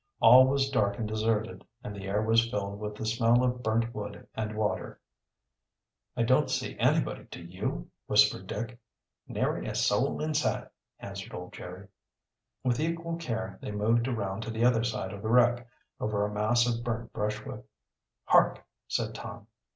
All was dark and deserted and the air was filled with the smell of burnt wood and water. "I don't see anybody, do you?" whispered Dick. "Nary a soul in sight," answered old Jerry. With equal care they moved around to the other side of the wreck, over a mass of burnt brushwood. "Hark!" said Tom.